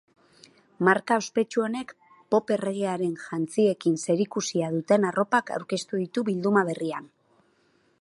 Marka ospetsu honek pop erregearen jantziekin zerikusia duten arropak aurkeztu ditu bilduma berrian.